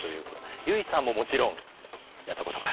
結さんももちろんやったことがある？